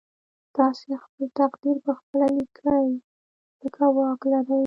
تاسې خپل تقدير پخپله ليکئ ځکه واک لرئ.